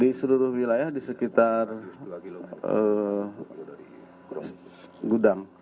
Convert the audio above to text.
di seluruh wilayah di sekitar gudang radius dua km